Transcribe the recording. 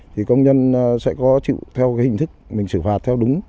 thì công nhân sẽ có chịu theo hình thức mình xử phạt theo đúng